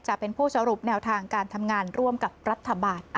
จะเป็นผู้สรุปแนวทางการทำงานร่วมกับรัฐบาล